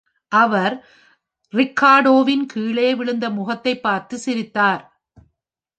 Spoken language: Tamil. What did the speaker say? அவர் ரிக்கார்டோவின் கீழே விழுந்த முகத்தை பார்த்து சிரித்தார்.